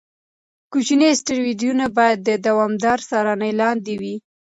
کوچني اسټروېډونه باید د دوامداره څارنې لاندې وي.